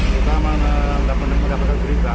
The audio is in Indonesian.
kita tidak pernah mendapatkan berita